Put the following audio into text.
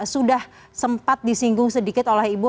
sudah sempat disinggung sedikit oleh ibu